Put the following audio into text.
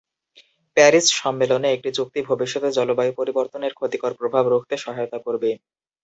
Paris সম্মেলনে একটি চুক্তি ভবিষ্যতে জলবায়ু পরিবর্তনের ক্ষতিকর প্রভাব রুখতে সহায়তা করবে।